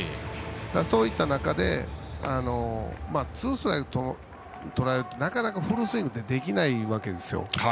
そういった中でツーストライクとられるとなかなかフルスイングってできないわけですよ。